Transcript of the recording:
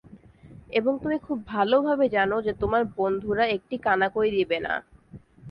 এবং তুমি খুব ভাল ভাবে জানো যে তোমার বন্ধুরা একটি কানাকড়ি দিবেনা।